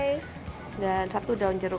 itu daun jeruk